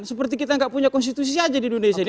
seperti kita nggak punya konstitusi saja di indonesia ini